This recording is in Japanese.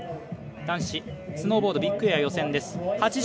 男子スノーボードビッグエア予選です。